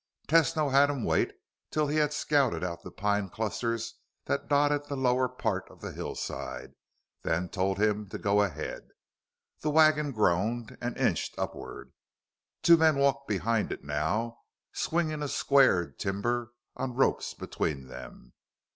Tesno had him wait till he had scouted out the pine clusters that dotted the lower part of the hillside, then told him to go ahead. The wagon groaned and inched upward. Two men walked behind it now, swinging a squared timber on ropes between them.